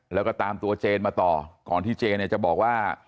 แล้วก็ตามตัวเจนมาต่อก่อนที่เจนเนี่ยจะบอกว่า